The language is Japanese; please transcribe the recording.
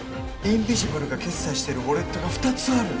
インビジブルが決済してるウォレットが２つある！